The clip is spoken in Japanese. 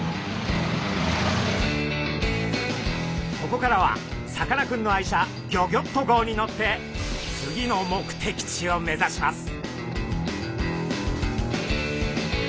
ここからはさかなクンの愛車ギョギョッと号に乗って次の目的地を目指します。